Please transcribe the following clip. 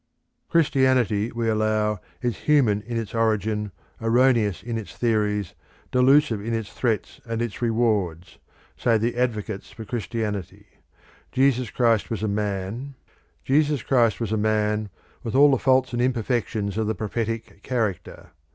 "Christianity, we allow, is human in its origin, erroneous in its theories, delusive in its threats and its rewards," say the advocates for Christianity. "Jesus Christ was a man with all the faults and imperfections of the prophetic character.